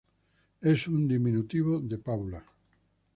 Es un diminutivo de Paula.